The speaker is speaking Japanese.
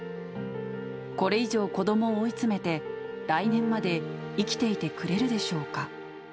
これ以上、子どもを追い詰めて、来年まで生きていてくれるでしょ